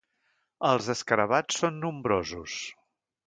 Els escarabats són nombrosos.